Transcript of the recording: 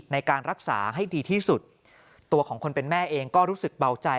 ในการรักษาให้ดีที่สุดตัวของคนเป็นแม่เองก็รู้สึกเบาใจ